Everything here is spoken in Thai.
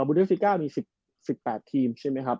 วูเดฟริกามี๑๘ทีมใช่ไหมครับ